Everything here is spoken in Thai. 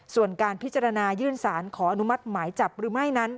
ส่วนการพิจารณายื่นสารขออนุมัติหมายจับหรือไม่นั้น